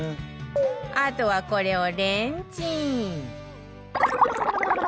あとはこれをレンチン